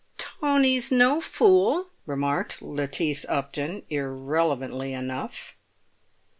"Tony's no fool," remarked Lettice Upton, irrelevantly enough.